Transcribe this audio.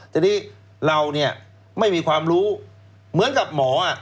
ทีนี้เราเนี่ยไม่มีความรู้เหมือนกับหมอ